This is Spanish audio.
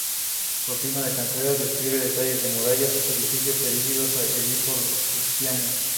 Procopio de Cesarea describe en detalle las murallas y edificios erigidos allí por Justiniano.